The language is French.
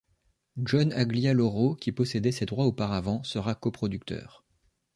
John Aglialoro, qui possédait ces droits auparavant, sera coproducteur.